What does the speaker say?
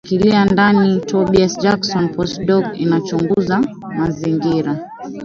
inashikilia ndani Tobias Jackson Postdoc inachunguza mazingira